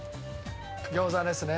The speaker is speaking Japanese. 餃子ですね。